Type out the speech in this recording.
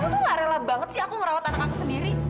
aku tuh gak rela banget sih aku ngerawat anak aku sendiri